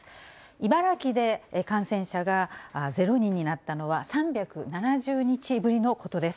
茨城で感染者が０人になったのは３７０日ぶりのことです。